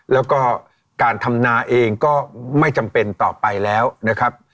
แล้วก็การทำนาเองก็ไม่จำเป็นต่อไปแล้วนะครับ